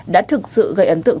đã thực sự gây ấn tượng